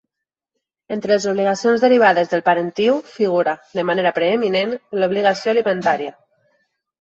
Entre les obligacions derivades del parentiu figura, de manera preeminent, l'obligació alimentària.